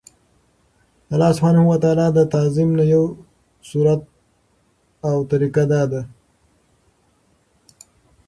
د الله سبحانه وتعالی د تعظيم نه يو صورت او طريقه دا ده